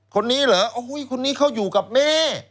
คนนี้เหรอโอ้โหคนนี้เขาอยู่กับแม่